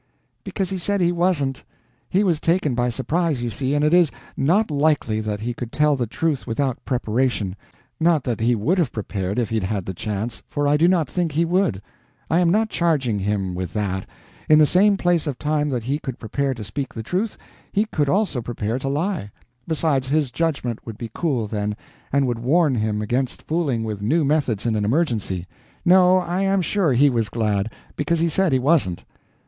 "Because he said he wasn't. He was taken by surprise, you see, and it is not likely that he could tell the truth without preparation. Not that he would have prepared, if he had had the chance, for I do not think he would. I am not charging him with that. In the same space of time that he could prepare to speak the truth, he could also prepare to lie; besides, his judgment would be cool then, and would warn him against fooling with new methods in an emergency. No, I am sure he was glad, because he said he wasn't."